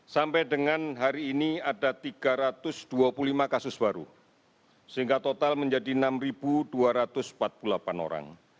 sampai dengan hari ini ada tiga ratus dua puluh lima kasus baru sehingga total menjadi enam dua ratus empat puluh delapan orang